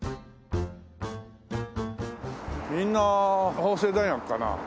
みんな法政大学かな？